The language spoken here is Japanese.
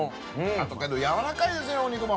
あと軟らかいですねお肉も。